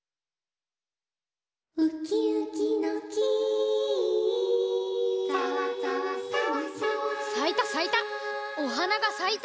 「ウキウキの木」さいたさいた。